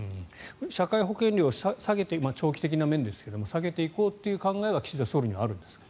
社会保険料を長期的な面ですが下げていこうという考えは岸田総理にはあるんですか。